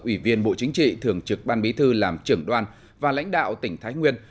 ủy viên bộ chính trị thường trực ban bí thư làm trưởng đoàn và lãnh đạo tỉnh thái nguyên